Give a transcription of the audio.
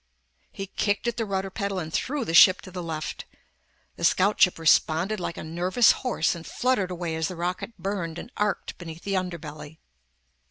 He kicked at the rudder pedal and threw the ship to the left. The scout ship responded like a nervous horse and fluttered away as the rocket burned and arced beneath the underbelly.